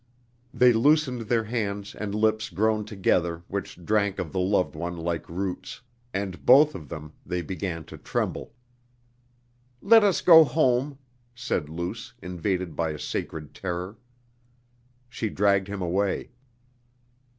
They loosened their hands and lips grown together which drank of the loved one like roots. And, both of them, they began to tremble. "Let us go home!" said Luce, invaded by a sacred terror. She dragged him away.